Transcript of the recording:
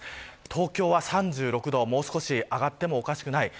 東京は３６度、もう少し上がってもおかしくない